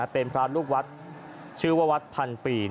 เป็นพระลูกวัดชื่อว่าวัดพันปี